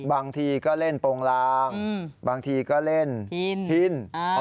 บางทีก็เล่นโปรงลางบางทีก็เล่นพิน